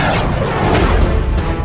ada yang akan memainkan